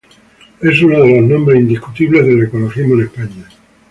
Es uno de los nombres indiscutibles del ecologismo en España.